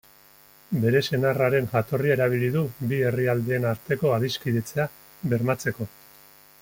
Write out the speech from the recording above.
Bere senarraren jatorria erabili du bi herrialdeen arteko adiskidetzea bermatzeko.